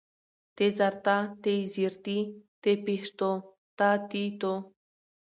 ت زر تا، ت زېر تي، ت پېښ تو، تا تي تو